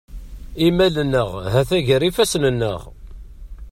Imal-nneɣ ha-t-a ger ifassen-nneɣ.